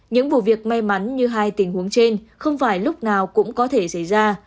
những vụ việc may mắn như hai tình huống trên không phải lúc nào cũng có thể xảy ra